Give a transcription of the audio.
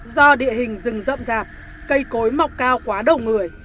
do địa hình rừng rậm rạp cây cối mọc cao quá đầu người